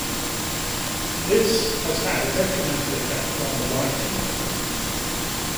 This has had a detrimental effect on the lighting levels.